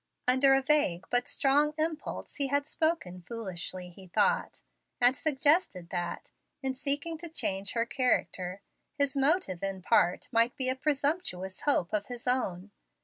Under a vague but strong impulse he had spoken foolishly, he thought; and suggested that, in seeking to change her character, his motive in part might be a presumptuous hope of his own.